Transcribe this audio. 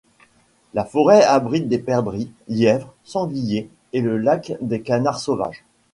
La forêt abrite des perdrix, lièvres, sangliers et le lac des canards sauvages.